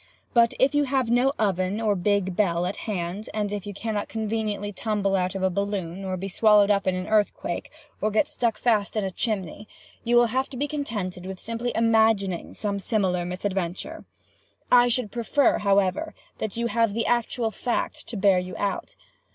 But if you have no oven or big bell, at hand, and if you cannot conveniently tumble out of a balloon, or be swallowed up in an earthquake, or get stuck fast in a chimney, you will have to be contented with simply imagining some similar misadventure. I should prefer, however, that you have the actual fact to bear you out.